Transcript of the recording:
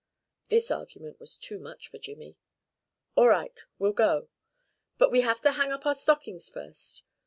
This argument was too much for Jimmy. "All right, we'll go. But we have to hang up our stockings first.